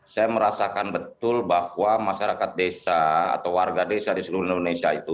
saya merasakan betul bahwa masyarakat desa atau warga desa di seluruh indonesia itu